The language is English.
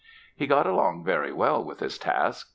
He got along very well with his task.